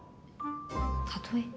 例え。